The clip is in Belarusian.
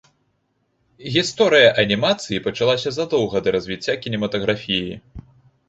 Гісторыя анімацыі пачалася задоўга да развіцця кінематаграфіі.